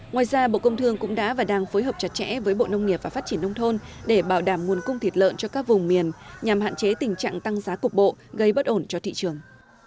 ngoài ra bộ công thương cũng đã và đang phối hợp chặt chẽ với bộ nông nghiệp và phát triển nông thôn để bảo đảm nguồn cung thịt lợn cho các vùng miền nhằm hạn chế tình trạng tăng giá cục bộ gây bất ổn cho thị trường